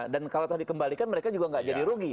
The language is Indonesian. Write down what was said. dan kalau dikembalikan mereka juga tidak jadi rugi